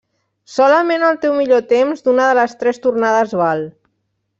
Solament el teu millor temps d'una de les tres tornades val.